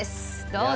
どうぞ！